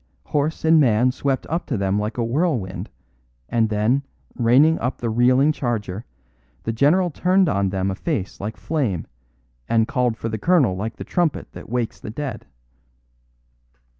Horse and man swept up to them like a whirlwind; and then, reining up the reeling charger, the general turned on them a face like flame, and called for the colonel like the trumpet that wakes the dead.